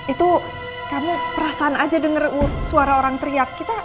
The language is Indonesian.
itu kamu perasaan aja denger suara orang teriak